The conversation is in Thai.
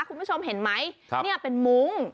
คุณผู้ชมเห็นไหมเนี่ยเป็นมุ้ง